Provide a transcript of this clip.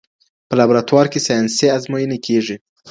په لابراتوار کي ساینسي ازموینې کیږي.